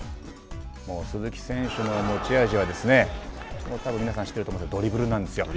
鈴木選手の持ち味は多分皆さん知っていると思うんですけどドリブルなんですよ。